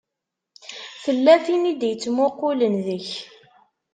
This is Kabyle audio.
Tella tin i d-ittmuqqulen deg-k.